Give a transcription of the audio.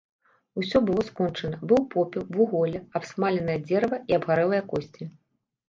Усё было скончана, быў попел, вуголле, абсмаленае дзерава і абгарэлыя косці.